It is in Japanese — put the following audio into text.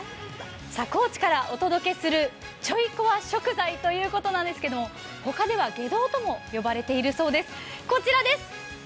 高知からお届けする、ちょいコワ食材ということですが、他では外道とも呼ばれているそうです、こちらです。